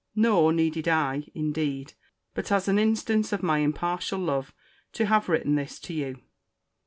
Nor needed I, indeed, but as an instance of my impartial love, to have written this to you.